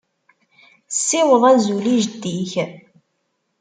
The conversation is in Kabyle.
Ssiweḍ azul i jeddi-k.